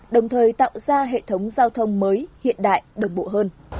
đồng thời tạo ra hệ thống giao thông mới hiện đại đồng bộ hơn